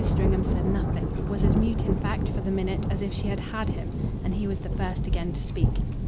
Stringham said nothing, was as mute in fact, for the minute, as if she had "had" him, and he was the first again to speak.